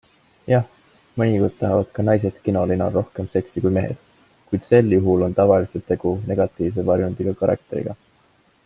Jah, mõnikord tahavad ka naised kinolinal rohkem seksi kui mehed, kuid sel juhul on tavaliselt tegu negatiivse varjundiga karakteriga.